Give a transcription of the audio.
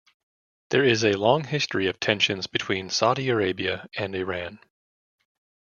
There is a long history of tensions between Saudi Arabia and Iran.